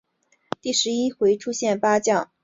第十一回出现八健将的说法。